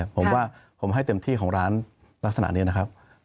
ผมว่าผมให้เต็มที่ของร้านลักษณะนี้นะครับ